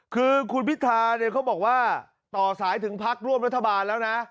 คือคุณพิธาเนี่ยเขาบอกว่าต่อสายถึงพักร่วมรัฐบาลแล้วนะ